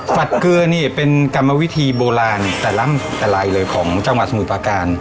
เกลือนี่เป็นกรรมวิธีโบราณแต่ละลายเลยของจังหวัดสมุทรประการ